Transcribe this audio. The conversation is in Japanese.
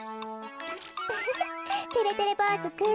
ウフフてれてれぼうずくん。